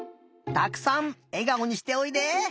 たくさんえがおにしておいで。